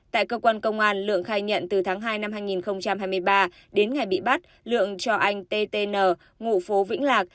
tại cơ quan công an lượng khai nhận từ tháng hai năm hai nghìn hai mươi ba đến ngày bị bắt lượng cho anh ttn ngụ phố vĩnh lạc